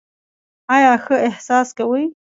ایا ښه احساس کوئ؟